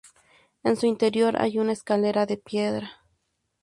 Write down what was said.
En su interior hay una escalera de piedra.